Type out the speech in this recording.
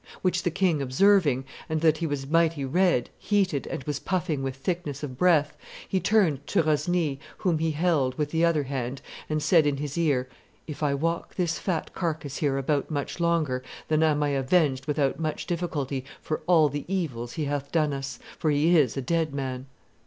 Which the king observing, and that he was mighty red, heated, and was puffing with thickness of breath, he turned to Rosny, whom he held, with the other hand, and said in his ear, 'If I walk this fat carcass here about much longer, then am I avenged without much difficulty for all the evils he hath done us, for he is a dead man.